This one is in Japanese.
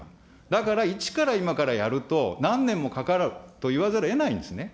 だから一から今からやると、何年もかかると言わざるをえないんですね。